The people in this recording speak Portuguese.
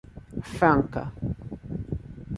Franca